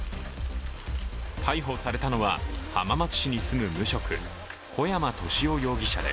逮捕されたのは浜松市に住む無職小山利男容疑者で、